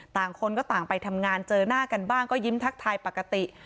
ต่างคนก็ต่างไปทำงานเจอหน้ากันบ้างก็ยิ้มทักทายปกติ